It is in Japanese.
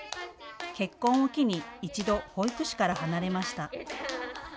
結婚を機に１度、保育士から離れました。